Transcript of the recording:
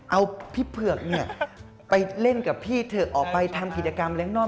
เอาพี่เผือกเนี่ยไปเล่นกับพี่เถอะออกไปทำกิจกรรมเล้งนอก